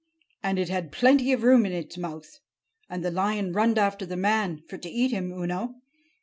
And it had plenty of room in its mouth. And the lion runned after the man—for to eat him, oo know.